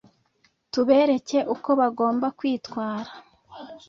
tubereke uko bagomba kwitwara